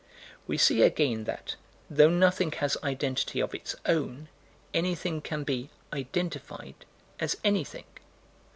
We see again that, though nothing has identity of its own, anything can be "identified" as anything.